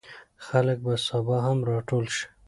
خلک به سبا هم راټول شي.